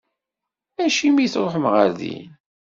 Acimi i tṛuḥem ɣer din?